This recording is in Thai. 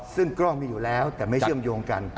ซึ่งกล้องมีอยู่แล้วแต่ไม่เชื่อมโยงกัน